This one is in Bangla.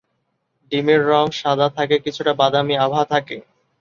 ডিমের রঙ সাদা সাথে কিছুটা বাদামি আভা থাকে।